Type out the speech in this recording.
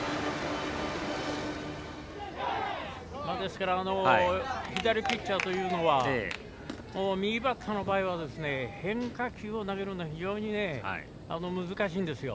ですから左ピッチャーというのは右バッターの場合は変化球を投げるのが非常に難しいんですよ。